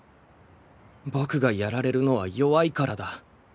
僕がやられるのは弱いからだ。